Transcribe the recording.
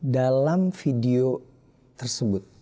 dalam video tersebut